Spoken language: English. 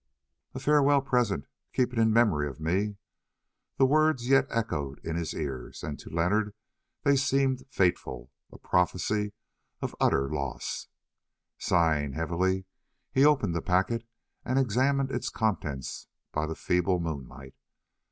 "A farewell present. Keep it in memory of me." The words yet echoed in his ears, and to Leonard they seemed fateful—a prophecy of utter loss. Sighing heavily, he opened the packet and examined its contents by the feeble moonlight.